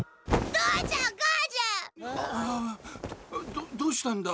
どどうしたんだ？